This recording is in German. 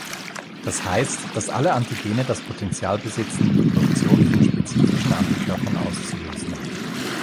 Das heißt, dass alle Antigene das Potential besitzen, die Produktion von spezifischen Antikörpern auszulösen.